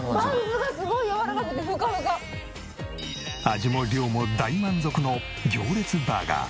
味も量も大満足の行列バーガー。